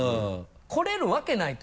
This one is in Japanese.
来れるわけないと。